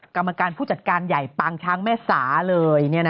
กรรมการผู้จัดการใหญ่ปากช้างแม่ศาเลยเนี่ยนะ